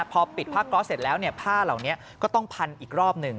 พอปิดผ้าก๊อสเสร็จแล้วผ้าเหล่านี้ก็ต้องพันอีกรอบหนึ่ง